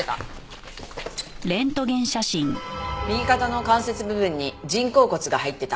右肩の関節部分に人工骨が入ってた。